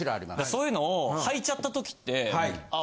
そういうのを履いちゃった時ってああ